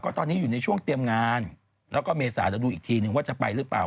ตอนนี้อยู่ในช่วงเตรียมงานแล้วก็เมษาเดี๋ยวดูอีกทีนึงว่าจะไปหรือเปล่า